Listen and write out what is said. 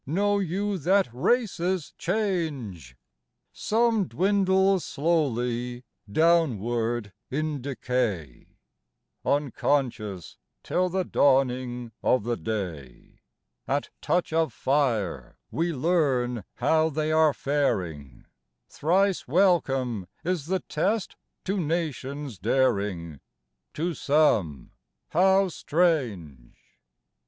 Know you that races change? Some dwindle slowly downward in decay, Unconscious, till the dawning of the day: At touch of fire we learn how they are faring; Thrice welcome is the test to nations daring; To some how strange!